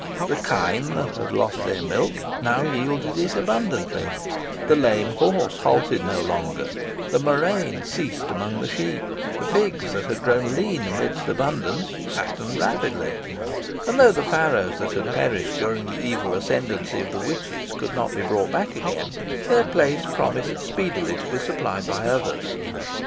The kine that had lost their milk now yielded it abundantly; the lame horse halted no longer; the murrain ceased among the sheep; the pigs that had grown lean amidst abundance fattened rapidly; and though the farrows that had perished during the evil ascendency of the witches could not be brought back again, their place promised speedily to be supplied by others.